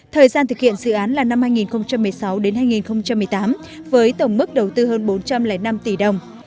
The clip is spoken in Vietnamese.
thời gian thực hiện dự án là năm hai nghìn một mươi sáu hai nghìn một mươi tám với tổng mức đầu tư hơn bốn trăm linh năm tỷ đồng